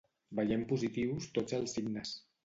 Veiem positius tots els signes.